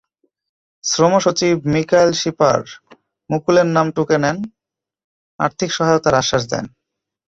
শ্রমসচিব মিকাইল শিপার মুকুলের নাম টুকে নেন, আর্থিক সহায়তার আশ্বাস দেন।